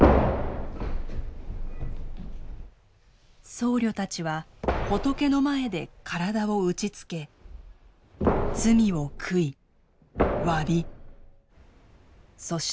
僧侶たちは仏の前で体を打ちつけ罪を悔い詫びそして祈ります。